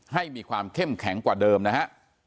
ให้มีความเข้มแข็งกว่าเดิมนะฮะ